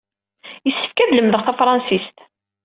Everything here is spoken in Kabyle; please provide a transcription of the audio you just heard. Yessefk ad lemdeɣ tafṛensist.